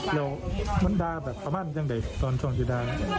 หรือมันดาแบบประมาณอย่างเด็กตอนช่วงที่ดา